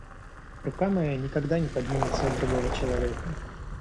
Рука моя никогда не поднимется на другого человека.